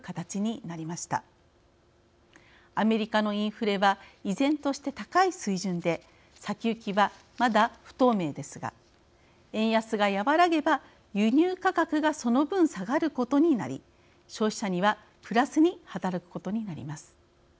アメリカのインフレは依然として高い水準で先行きはまだ不透明ですが円安が和らげば輸入価格がその分下がることになり消費者にはプラスに働くことになります。